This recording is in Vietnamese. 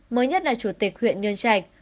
mới nhất là chủ tịch huyện nhân trạch